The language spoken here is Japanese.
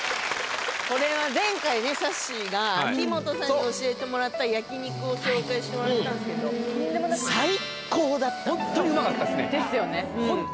これは前回ねさっしーが秋元さんに教えてもらった焼肉を紹介してもらったんですけど本当にうまかったっすねですよね